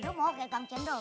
lo mau kekang jendol